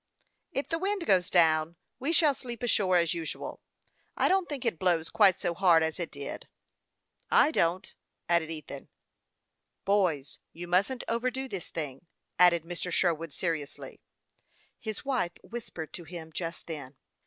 " If the wind goes down we shall sleep ashore as usual. I don't think it blows quite so hard as it did." "I don't," added Ethan. " Boys, you musn't overdo this thing," added Mr. Sherwood, seriously. His wife whispered to him just then.